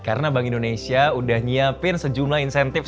karena bank indonesia udah nyiapin sejumlah insentif